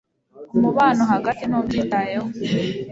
Umubano hagati ntubyitayeho